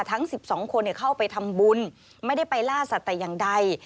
ทั้งสิบสองคนเข้าไปทำบุญไม่ได้ไปล่าสัตย์อย่างใด